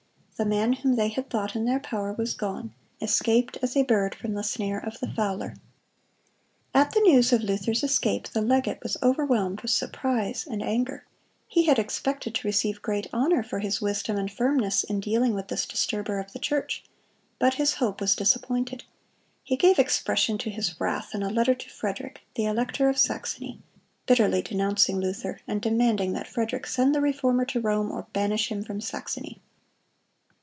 The man whom they had thought in their power was gone, escaped as a bird from the snare of the fowler. At the news of Luther's escape, the legate was overwhelmed with surprise and anger. He had expected to receive great honor for his wisdom and firmness in dealing with this disturber of the church; but his hope was disappointed. He gave expression to his wrath in a letter to Frederick, the elector of Saxony, bitterly denouncing Luther, and demanding that Frederick send the Reformer to Rome or banish him from Saxony.